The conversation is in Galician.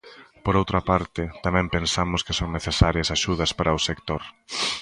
Por outra parte, tamén pensamos que son necesarias axudas para o sector.